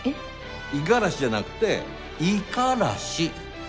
「いがらし」じゃなくて「いからし」！